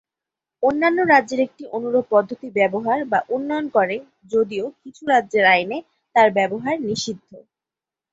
অন্যান্য রাজ্যের একটি অনুরূপ পদ্ধতি ব্যবহার বা উন্নয়ন করে, যদিও কিছু রাজ্যের আইনে তার ব্যবহার নিষিদ্ধ।